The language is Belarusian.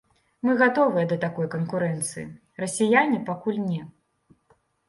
Мы гатовыя да такой канкурэнцыі, расіяне пакуль не.